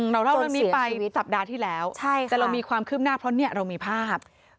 เราเท่าที่มีไปสัปดาห์ที่แล้วแต่เรามีความคืบหน้าเพราะเรามีภาพครับจนเสียชีวิต